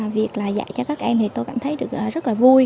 việc là dạy cho các em thì tôi cảm thấy rất là vui